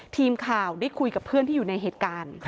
ทีมข่าวได้คุยกับเพื่อนที่อยู่ในเหตุการณ์